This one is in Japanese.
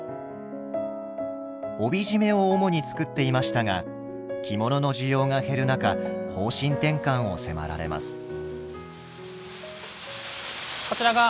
帯締めを主に作っていましたが着物の需要が減る中方針転換を迫られます。